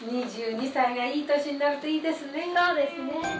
２２歳がいい年になるといいそうですね。